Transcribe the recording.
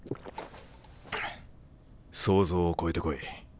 想像を超えてこい。